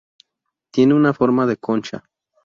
Tiene una forma de concha.